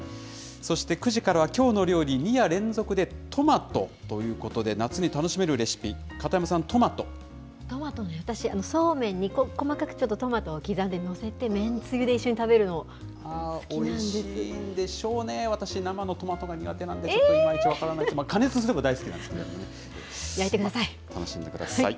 そして、９時からはきょうの料理、２夜連続でトマトということで、夏に楽しめるレシピ、片山さん、トマトね、私、そうめんに細かくちょっとトマトを刻んで載せて、麺つゆで一緒に食べるの、好おいしいんでしょうね、私、生のトマトが苦手なんで、ちょっといまいち分からないですが、加焼いてください。